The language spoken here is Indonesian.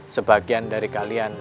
sebagian dari kalian